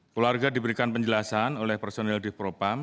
keluarga diberikan penjelasan oleh personil di propam